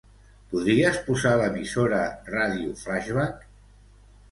Podries posar l'emissora "Ràdio Flaixbac"?